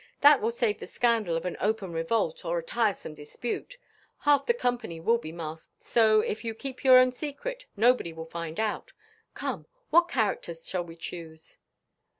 That will save the scandal of an open revolt or a tiresome dispute. Half the company will be masked; so, if you keep your own secret, nobody will find it out. Come, what characters shall we choose?"